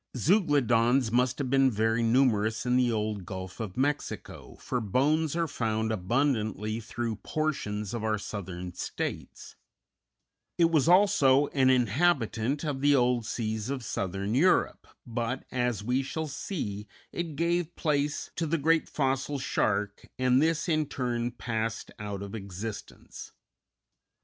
Zeuglodons must have been very numerous in the old Gulf of Mexico, for bones are found abundantly through portions of our Southern States; it was also an inhabitant of the old seas of southern Europe, but, as we shall see, it gave place to the great fossil shark, and this in turn passed out of existence.